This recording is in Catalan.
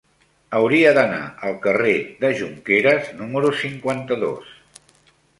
Hauria d'anar al carrer de Jonqueres número cinquanta-dos.